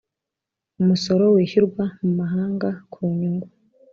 Umusoro wishyurwa mu mahanga ku nyungu